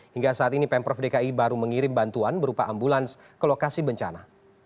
hingga saat ini pemprov dki baru mengirim bantuan berupa ambulans ke lokasi bencana